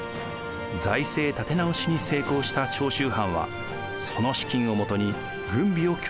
財政立て直しに成功した長州藩はその資金をもとに軍備を強化しました。